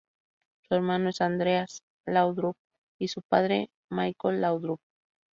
Su hermano es Andreas Laudrup y su padre Michael Laudrup.